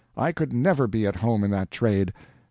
I could never be at home in that trade.